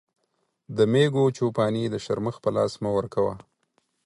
د مېږو چو پاني د شرمښ په لاس مه ورکوه.